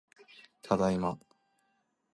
ただいま